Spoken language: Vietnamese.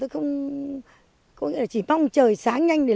tôi cũng không thể bây giờ không thể tải ra nữa